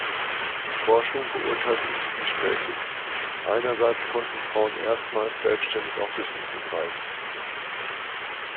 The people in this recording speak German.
Die Forschung beurteilt ihn zwiespältig: Einerseits konnten Frauen erstmals selbstständig auf Wissen zugreifen.